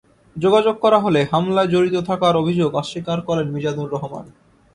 যোগাযোগ করা হলে হামলায় জড়িত থাকার অভিযোগ অস্বীকার করেন মিজানুর রহমান।